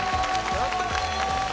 やったー！